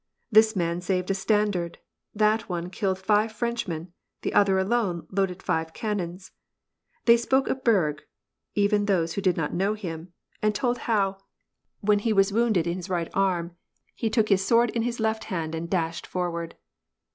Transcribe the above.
This man saved a standard, that one killed five Frenchmen, the other alone loaded five cannons. They spoke of Berg, even those who did not know him, and told how, WAR AND PEACE. 15 when he was wounded in his right arm, he took his sword in his left hand and dashed forward.